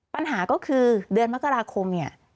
ปัญหาก็คือเดือนมักราคม